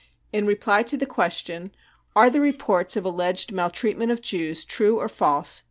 In reply to the question : cc Are the reports of alleged maltreat ment of Jews true or false